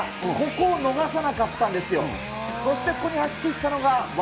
ここを逃さなかったんですよ。